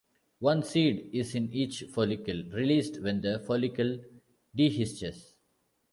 One seed is in each follicle, released when the follicle dehisces.